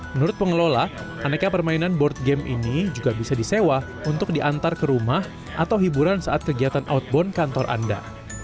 menurut pengelola aneka permainan board game ini juga bisa disewa untuk diantar ke rumah atau hiburan saat kegiatan outbound kantor anda